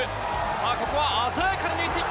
さぁここは鮮やかに抜いていった！